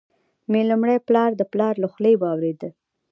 مي لومړی پلا د پلار له خولې واروېدې،